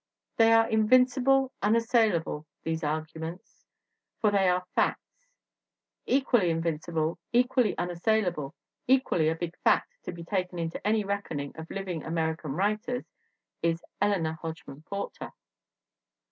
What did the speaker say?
They are invincible, unassailable, these arguments, for they are facts. Equally invincible, equally un assailable, equally a big fact to be taken into any reckoning of living American writers, is Eleanor Hodgman Porter.